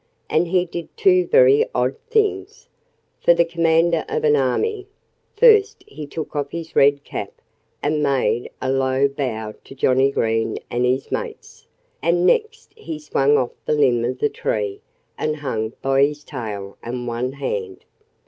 And he did two very odd things, for the commander of an army: first he took off his red cap and made a low bow to Johnnie Green and his mates; and next he swung off the limb of the tree and hung by his tail and one hand.